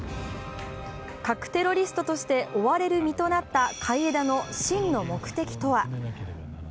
核テロリストとして追われる身となった海江田の真の目的とは？